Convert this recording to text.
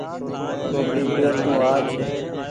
ٽوپي پير تو آج۔